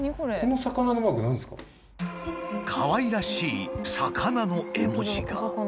かわいらしい魚の絵文字が。